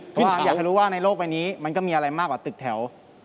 ซึ่งอยากให้รู้ว่าในโลกใบนี้มันก็มีอะไรมากกว่าตึกแถว